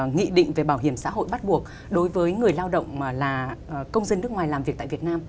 nghị định về bảo hiểm xã hội bắt buộc đối với người lao động là công dân nước ngoài làm việc tại việt nam